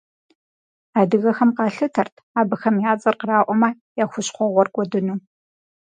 Адыгэхэм къалъытэрт абыхэм я цӏэр къраӏуэмэ, я хущхъуэгъуэр кӏуэдыну.